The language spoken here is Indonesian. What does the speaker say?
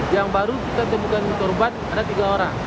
yang baru kita temukan korban ada tiga orang